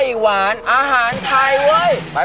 หวานอาหารไทยเว้ย